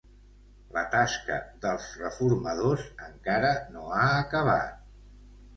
La tasca dels reformadors encara no ha acabat.